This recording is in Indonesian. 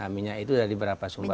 minyak itu dari berapa sumber